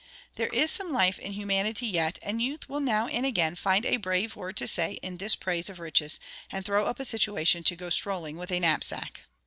There is some life in humanity yet: and youth will now and again find a brave word to say in dispraise of riches, and throw up a situation to go strolling with a knapsack.